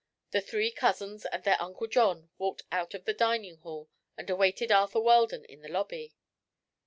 The three cousins and their Uncle John walked out of the dining hall and awaited Arthur Weldon in the lobby.